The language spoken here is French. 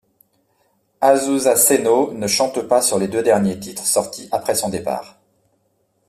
Azusa Senō ne chante pas sur les deux derniers titres, sortis après son départ.